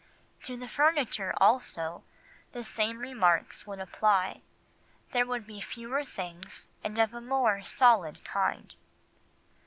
To the furniture, also, the same remarks would apply, there would be fewer things and of a more solid kind.